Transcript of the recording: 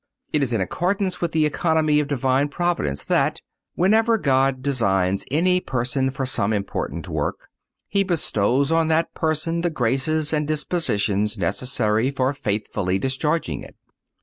It is in accordance with the economy of Divine Providence that, whenever God designs any person for some important work, He bestows on that person the graces and dispositions necessary for faithfully discharging it.